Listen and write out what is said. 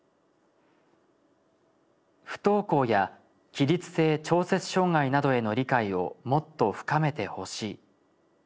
不登校や起立性調節障害などへの理解をもっと深めてほしい。